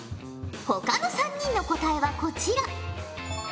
ほかの３人の答えはこちら。